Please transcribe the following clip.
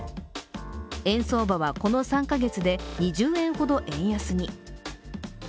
円相場はこの３カ月で２０円ほど円安に。